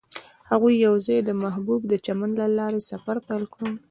هغوی یوځای د محبوب چمن له لارې سفر پیل کړ.